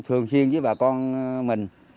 thường xuyên với bà con mình